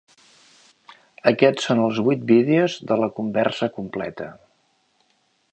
Aquests són els vuit vídeos de la conversa completa.